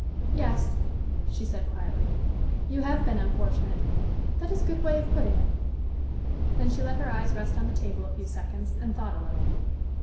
"Yes," she said quietly: "you have been unfortunate. That is a good way of putting it." Then she let her eyes rest on the table a few seconds, and thought a little.